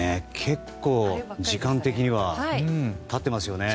結構、時間的には経ってますよね。